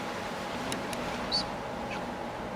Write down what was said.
Ён углыбіўся ў кніжку.